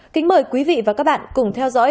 kính mời quý vị và các bạn cùng theo dõi